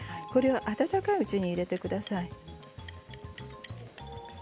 温かいうちに入れてください。